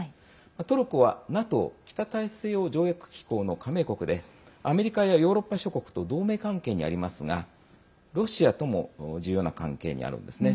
トルコはＮＡＴＯ＝北大西洋条約機構の加盟国でアメリカやヨーロッパ諸国と同盟関係にありますがロシアとも重要な関係にあるんですね。